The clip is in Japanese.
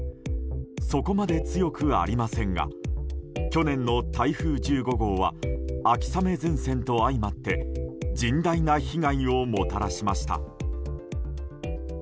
そこまで強くありませんが去年の台風１５号は秋雨前線と相まって甚大な被害をもたらしました。